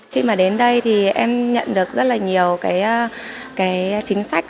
khi mà đến đây thì em nhận được rất là nhiều cái chính sách